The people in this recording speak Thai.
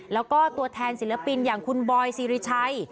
แล้วก็ตัวแทนศิลปินอย่างคุณบอยซีริชัย